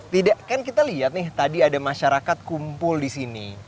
tidak kan kita lihat nih tadi ada masyarakat kumpul di sini